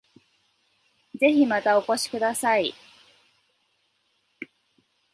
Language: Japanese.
ぜひまたお越しください